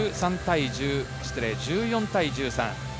１４対１３。